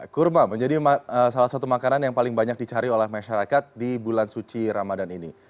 kurma menjadi salah satu makanan yang paling banyak dicari oleh masyarakat di bulan suci ramadan ini